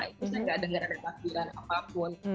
itu saya gak dengar ada takbiran apapun